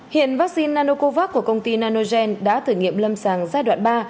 hiện vaccine nanocovax của công ty nanogen đã thử nghiệm lâm sàng giai đoạn ba